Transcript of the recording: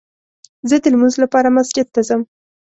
زه دلمونځ لپاره مسجد ته ځم